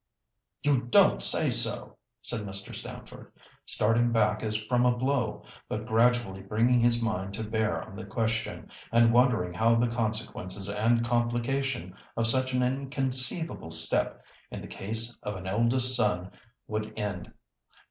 "You don't say so!" said Mr. Stamford, starting back as from a blow, but gradually bringing his mind to bear on the question, and wondering how the consequences and complication of such an inconceivable step in the case of an eldest son would end.